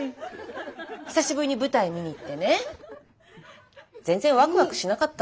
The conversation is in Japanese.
久しぶりに舞台見に行ってね全然ワクワクしなかったの。